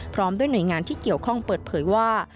พร้อมด้วยหน่วยงานที่เกี่ยวข้องเปิดเผยว่า